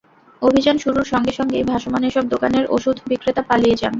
অভিযান শুরুর সঙ্গে সঙ্গেই ভাসমান এসব দোকানের ওষুধ বিক্রেতা পালিয়ে যান।